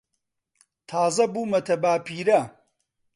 تازە بوومەتە باپیرە.